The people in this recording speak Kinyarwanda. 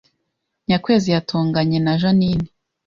Nyakwezi yatonganye na Jeaninne